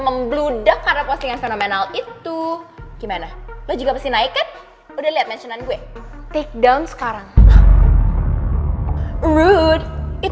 keluaran cewek asongan tuh pasti